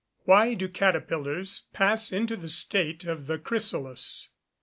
_Why do caterpillars pass into the state of the chrysalis?